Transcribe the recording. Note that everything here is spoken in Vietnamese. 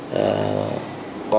và các cơ sở